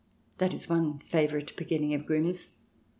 (That is one favourite beginning of Grimm's.)